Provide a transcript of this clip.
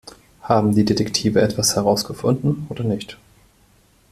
Haben die Detektive etwas herausgefunden oder nicht?